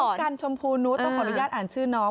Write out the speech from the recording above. กันชมพูนุษย์ต้องขออนุญาตอ่านชื่อน้อง